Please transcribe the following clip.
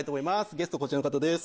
ゲストこちらの方です。